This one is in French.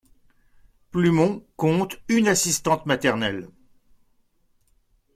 Plumont compte une assistante maternelle.